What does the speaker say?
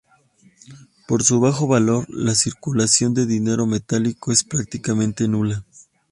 Por su bajo valor, la circulación de dinero metálico es prácticamente nula.